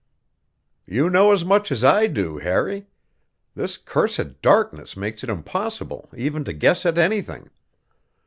"You know as much as I do, Harry. This cursed darkness makes it impossible even to guess at anything.